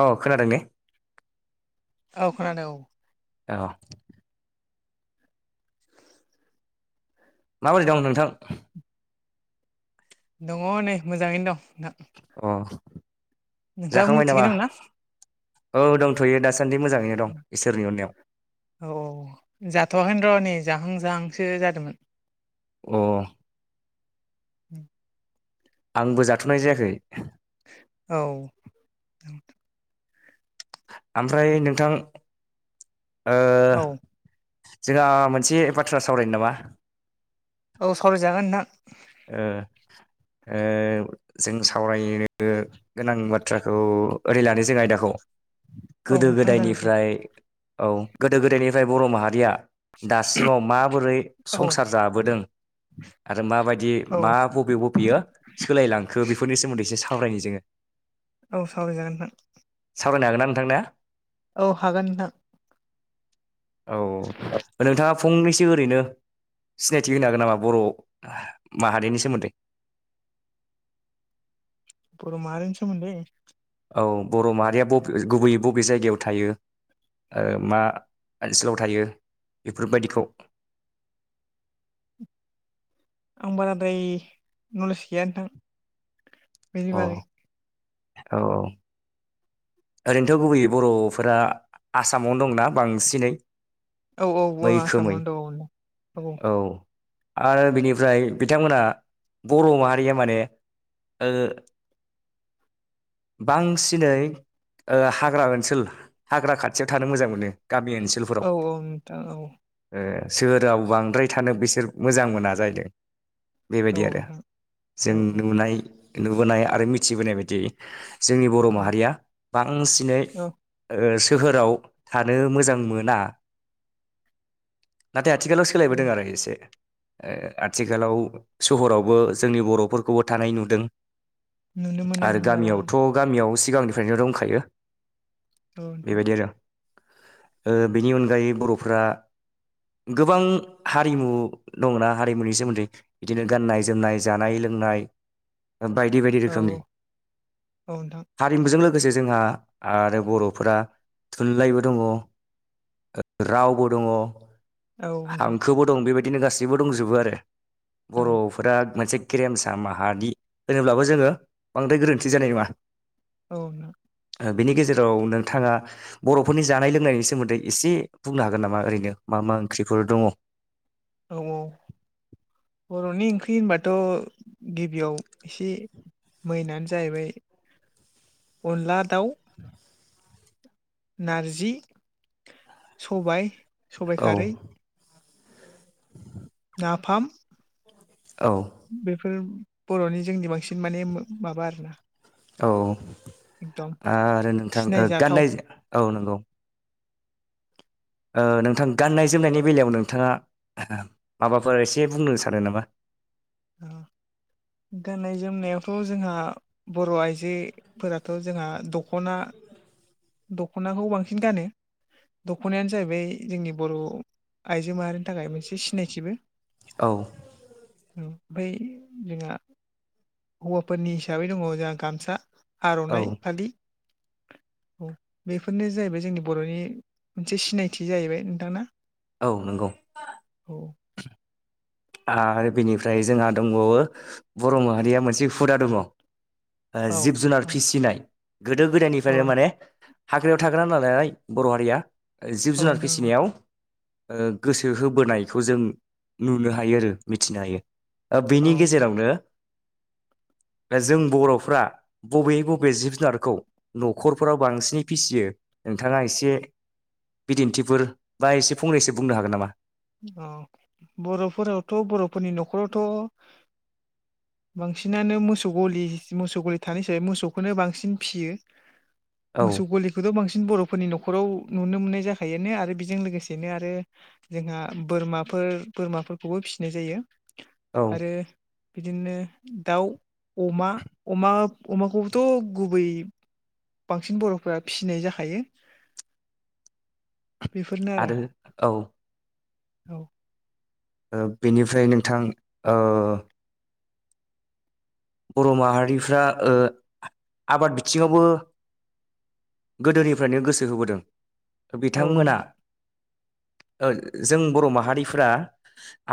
औ खोनादों ने औ खोनादों औ औ [inaudible] माबोरै दं नोंथां? दङ नै मोजाङैनो दं नोंथां अ नोंथाङा जाखांबाय नामा मिथिखोनोमोना औ दंथयो दासान्दि मोजाङैनो दं इसोरनि अननायाव औ औ जाथवाखैनो र' नै जाहां जाहांसो जादोंमोन अ आंबो जाथनाय जायाखै औ ओमफ्राय नोंथां ओ औ जोंहा मोनसे बाथ्रा सावरायनो नामा? औ सावरायजागोन नोंथां ओ ओ जों सावरायनो ओ गोनां बाथ्राखौ ओरै लानो जों आयदाखौ औ गोदो नोंथां जागोन गोदायनिफ्राय औ गोदो गोदायनिफ्राय बर' माहारिया दासिमाव माबोरै औ संसार जाबोदों आरो माबाय दि औ मा बबे बबेयो सोलायलांखो बेफोरनि सोमोन्दै एसे सावरायनो जोङो औ सावरायजागोन नोंथां सावरायनो हागोना नोंथां ना औ हागोन नोंथां औ नोंथाङा फंनैसो ओरैनो सिनायथि होनो हागोन नामा बर' माहारिनि सोमोन्दै बर' माहारिनि सोमोनदै औ बर' माहारिया बबे गुबैयै बबे जायगायाव थायो ओ मा ओनसोलाव थायो बेफोरबायदिखौ आं बाराद्राय नलेज गैया नोंथां बेनि बागै अ औ औ ओरैनोथ गुबैयै बर'फोरा आसामावनो दंना बांसिनै। औ औ औ मैखोमै आसामावनो दं औ औ आरो बिनिफ्राय बिथांमोनहा बर' माहारिया माने बांसिनै हाग्रा ओनसोल हाग्रा खाथियाव थानो मोजां मोनो गामि ओनसोल‌ औ औ नोंथां औ ओ सोहोराव बांद्राय थानो बिसोर मोजां मोना जाहैदों औ बेबायदि आरो नोंथां जों औ नोंथां औ नुनाय नुबोनाय आरो मिथिबोनाय बायदि जोंनि बर' औ माहारिया बांसिनै औ सोहोराव थानो मोजां मोना नाथाय आथिखालाव औ सोलायबोदों आरो एसे आथिखालाव सहरावबो जोंनि बर'फोरखौबो थानाय नुदों। नुनो मोनो आरो नोंथां गामियावथ' गामियाव सिगांनिफ्रायनो दंखायो नोंथां बेबायदिनो बेनि अनगायै बर'फ्रा गोबां हारिमु दंना हारिमुनि सोमोन्दै बिदिनो गाननाय जोमनाय जानाय लोंनाय बायदि बायदि औ औ रोखोमनि औ नोंथां हारिमुजों लोगोसे जोंहा आरो बर'फोरा थुनलाइबो दङ। रावबो दङ औ नोंथां हांखोबो दं बेबायदिनो गाससिबो दंजोबो आरो औ बर' फोरा मोनसे गेरेमसा माहारि होनोब्लाबो जोङो बांद्राय गोरोन्थि जानाय नङा। औ बिनि गेजेराव नोंथाङा बर'फोरनि जानाय लोंनायनि सोमोन्दै एसे बुंनो हागोन नामा ओरैनो मा मा ओंख्रिफोर दङ औ औ बर'नि ओंख्रि होनबाथ' गिबियाव एसे मैनानो जाहैबाय अनला दाउ नारजि सबाइ सबाइ औ खारै नाफाम औ बेफोर बर'नि जोंनि बांसिन माने माबा आरोना औ एकदम आरो नोंथां सिनायजाथाव गाननाय औ नंगौ नोंथां गाननाय जोमनायनि बेलायाव नोंथाङा माबाफोर एसे बुंनो सानो नामा ओं गाननाय जोमनायावथ' जोंहा बर' आइजोफोराथ' जोंहा दख'ना दख'नाखौ बांसिन गानो दख'नायानो जाहैबाय जोंनि बर' आइजो माहारिनि थाखाय मोनसे सिनायथिबो औ ओमफ्राय जोंहा हौवाफोरनि हिसाबै दङ जोंहा गामसा औ आर'नाइ फालि औ बेफोरनो जाहैबाय जोंनि बर'नि मोनसे सिनायथि जाहैबाय नोंथां ना औ नंगौ औ आरो बेनिफ्राय जोंहा दंबावो बर' माहारिया मोनसे हुदा दङ औ जिब जुनार फिसिनाय गोदो औ गोदायनिफ्रायनो माने हाग्रायाव थाग्राा नालाय बर' हारिया जिब औ जुनार नोंथां फिसिनायाव गोसो होबोनायखौ जों नुनो हायो आरो मिथिनो हायो औ बेनि गेजेरावनो [inaudible] दा जों बर'फ्रा बबे बबे जिब जुनारखौ न'खरफोराव बांसिनै फिसियो नोंथाङा एसे बिदिन्थिफोर बा एसे फंनैसो बुंनो हागोन नामा औ बर'फोरावथ' बर'फोरनि न'खरावथ' बांसिनानो मोसौ गलि मोसौ गलि थानाय हिसाबै मोसौखौनो बांसिन फियो औ मसौ गलि बेखौथ' बांसिन बर'फोरनि न'खराव नुनो मोननाय जाखायोनो आरो बेजों लोगोसेनो आरो जोंहा बोरमाफोर बोरमाफोरखौबो फिसिनाय जायो औ आरो बिदिनो दाउ अमा अमा अमाखौबोथ' गुबै बांसिन बर'फोरा फिसिनाय जाखायो आरो औ औ बेनिफ्राय नोंथां बर' माहारिफ्रा आबाद बिथिङावबो गोदोनिफ्रायनो गोसो होबोदों औ बिथांमोना नोंथां जों बर' माहारिफ्रा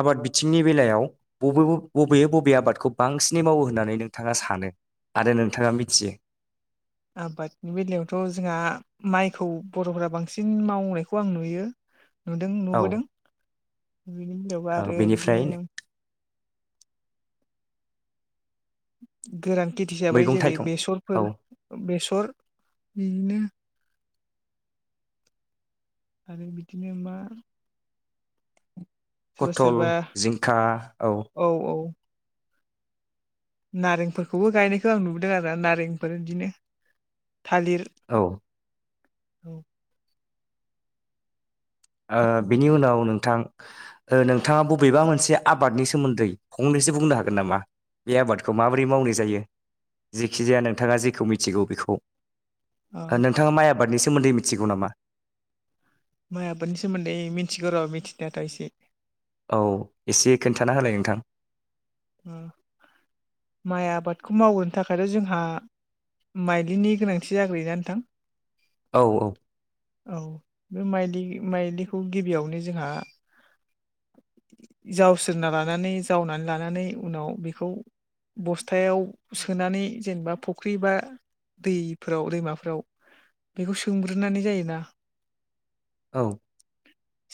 आबाद बिथिंनि बेलायाव बबे बबे बबे आबादखौ बांसिनै मावो होन होननानै नोंथाङा सानो आरो नोंथाङा मिथियो आबादनि बेलायावथ' जोंहा माइखौ बर'फोरा बांसिन मावनायखौ आं नुयो नुदों औ नुबोदों बिनि उलायाव औ आरो बेनिफ्राय बिदिनो गोरां खेत हिसाबै मैगं जेरै थाइगं औ बेसरफोर बेसर बिदिनो आरो बिदिनो मा सोरबा पथल सोरबा जिंखा औ औ औ नारेंफोरखौबो गायनायखौ आं नुबोदों आरो नारेंफोर बिदिनो थालिर औ औ बिनि उनाव नोंथां नोंथाङा बबेबा मोनसे आबादनि सोमोन्दै फंनैसो बुंनो हागोन नामा बे आबादखौ माबोरै मावनाय जायो जेखि जाया नोंथाङा जेखौ मिथिगौ बेखौ ओ नोंथाङा माइ आबादनि सोमोन्दै मिथिगौ नामा माइ आबादनि सोमोन्दै मिथिगौ र' मिथिनायाथ' एसे औ एसे खोन्थाना होलाय नोंथां माइ आबादखौ मावहोनो थाखायथ' जोंहा माइदिनि गोनांथि जाग्रो ना नोंथां औ औ औ बे माइलिखौ गिबियावनो जोंहा जावसेरना लानानै जावनानै लानानै उनाव बेखौ बस्थायाव सोनानै जेनेबा फुख्रि बा दैफोराव दैमाफोराव बेखौ सोंग्रोनानै जायोना औ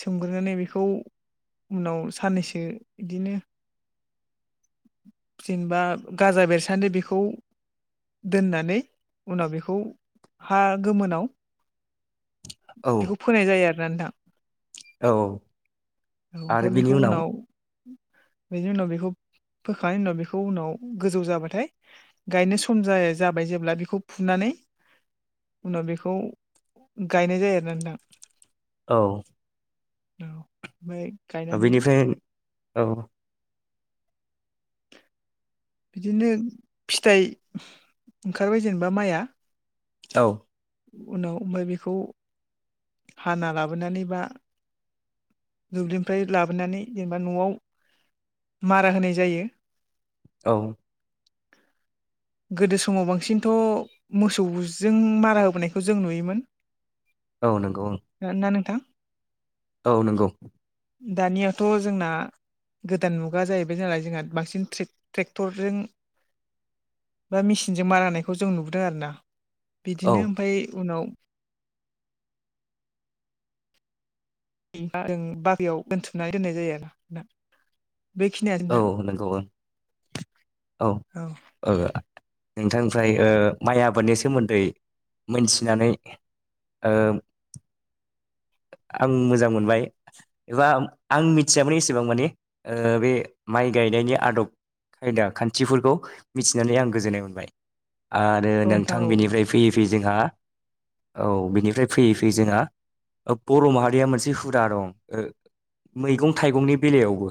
सोमग्रोनानै बेखौ उनाव साननैसो बिदिनो जेनेबा गाजा बेरसान्दो बेखौ दोननानै उनाव बेखौ हा गोमोनाव औ औ बेखौ फोनाय जायो आरोना नोंथां औ औ आरो ओमफ्राय बिनि बेखौ उनाव बिनि उनाव बेखौ फोखांनायनि उनाव बेखौ उनाव गोजौ जाबाथाय गायनो सम जाया जाबाय जेब्ला बेखौ फुनानै उनाव बेखौ गायनाय जायो आर नादां औ औ ओफ्राय बेनिफ्राय औ बिदिनो फिथाइ ओंखारबाय जेनेबा माइआ औ उनाव ओमफ्राय बेखौ हाना लाबोनानै बा दुब्लिनिफ्राय लाबोनानै जेनेबा न'आव मारा होनाय जायो औ गोदो समाव बांसिनथ' मोसौजों मारा होबोनायखौ जों नुयोमोन औ नंगौ औ खोनादों ना नोंथां औ नंगौ दानियाथ' जोंना गोदान मुगा जाहैबाय नालाय जोंना जोंहा बांसिन टेक्टरजों बा मेचिनजों मारा होनायखौ जों नुदों आरोना औ बिदिनो ओमफ्राय उनाव जों बारियाव दोनथुमनानै दोननाय जायो आरो ना बेखिनियानो औ नंगौ ओं नोंथां औ नोंथांनिफ्राय माइ आबादनि सोमोन्दै मिथिनानै ओ आं मोजां मोनबाय एबा आं मिथियामोन एसेबां माने बे माइ गायनायनि आदब खायदा खान्थिफोरखौ मिथिनानै आं गोजोननाय मोनबाय आरो नोंथां बिनिफ्राय फैयै फै जोंहा औ बिनिफ्राय फैयै फै जोंहा बर' माहारिया मोनसे हुदा दं मैगं थाइगंनि बेलायावबो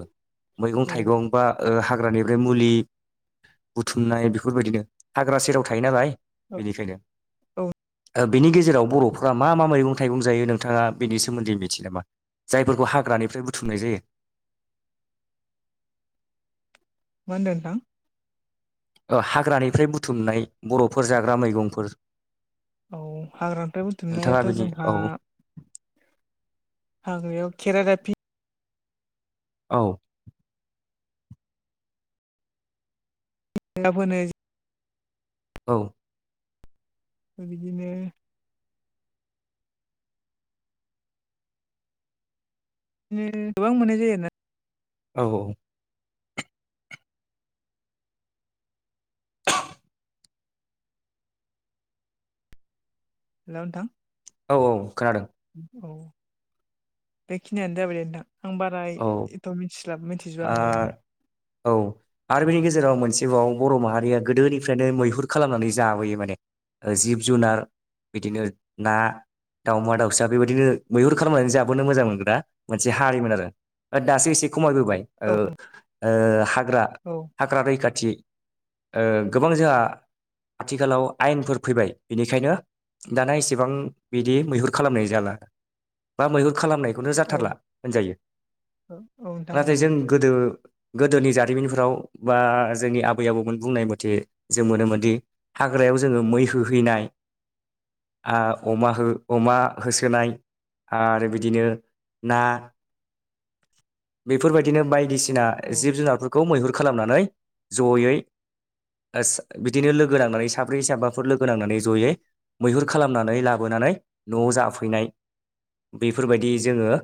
मैगं औ नोंथां औ थाइगं बा हाग्रानिफ्राय मुलि बुथुमनाय बेफोरबायदिनो हाग्रा सेराव थायो नालाय बेनिखायनो औ बिनि गेजेराव बर'फोरा मा मा मैगं थाइगं जायो नों नोंथाङा बेनि सोमोन्दै मिथियो नामा जायफोरखौ हाग्रानिफ्राय बुथुमनाय जायो मा होन्दो नोंथां हाग्रानिफ्राय बुथुमनाय बर'फोर जाग्रा मैगंफोर औ हाग्रानिफ्राय नोंथाङा बुथुमनायाथ' बिनि जोंहा औ हाग्रायाव खेरा दाफिनि औ [unintelligible] औ बिदिनो गोबां मोननाय जायो आरोना औ औ हेल' नोंथां औ औ खोनादों औ बेखिनियानो जाबाय दे नोंथां आं बारा औ एथ' मिथिला मिथिजोबा माने आ नोंथां औ आरो बेनि गेजेराव मोनसेबाव बर' माहारिया गोदोनिफ्रायनो मैहुर खालामनानै जाबोयो माने जिब जुनार बिदिनो ना दाउमा दाउसा बेबायदिनो मैहुर खालामनानै जाबोनो मोजां मोनग्रा मोनसे हारिमोन आरो दासो एसे खमायबोबाय हाग्रा औ औ हाग्रा रैखाथि गोबां जोंहा आथिखालाव आयेनफोर फैबाय बेनिखायनो दाना इसेबां बिदि मैहुर खालामनाय जाला बा मैहुर खालामनाय बेखौनो जाथारला औ होनजायो औ औ नाथाय जों गोदो गोदोनि जारिमिनफोराव बा जोंनि आबै आबौमोन बुंनाय मथे जों मोनोमोनदि हाग्रायाव जोङो मै होहैनाय अमा अमा होसोनाय आरो बिदिनो ना बेफोरबायदिनो बायदिसिना औ जिब जुनारफोरखौ मैहुर खालामनानै जयै बिदिनो लोगो नांनानै साब्रै साबाफोर लोगो नांनानै जयै मैहुर खालामनानै लाबोनानै न'आव जाफैनाय बेफोरबायदि जोङो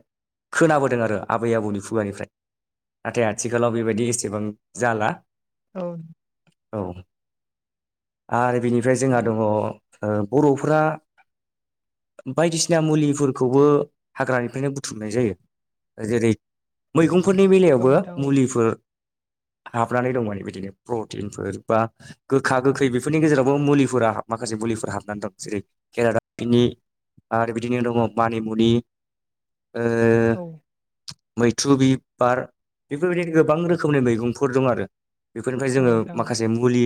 खोनाबोदों आरो आबै आबौनि खुगानिफ्राय नाथाय आथिखालाव बेबायदि एसेबां जाला औ औ आरो बेनिफ्राय औ जोंहा दङ बर'फोरा बायदिसिना मुलिफोरखौबो हाग्रानिफ्रायनो बुथुमनाय जायो जेरै मैगंफोरनि बेलायावबो नोंथां मुलिफोर हाबनानै दं माने बिदिनो प्रटिनफोर बा गोखा गोखै बेफोरनि गेजेरावबो मुलिफोरा माखासे मुलिफोर हाबनानै दं जेरै खेरादाफिनि आरो बिदिनो दङ मानिमुनि ओ औ मैथ्रु बिबार बेफोरबायदिनो गोबां रोखोमनि मैगंफोर दं आरो बेफोरनिफ्राय औ जोङो नोंथां औ माखासे मुलि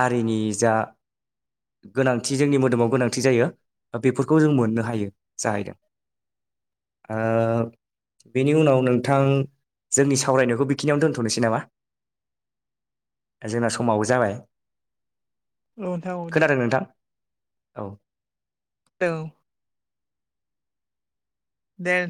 हारिनि जा गोनांथि जोंनि मोदोमाव गोनांथि जायो बेफोरखौ जों मोननो हायो जाहैदों ओ बेनि उनाव नोंथां जोंनि सावरायनायखौ बेखिनियाव दोनथनोसै नामा जोंना समाबो जाबाय नोंथां औ खोनादों दे नोंथां औ हेलौ दे